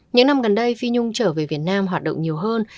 những năm gần đây phi nhung trở về việt nam hoạt động nhiều hơn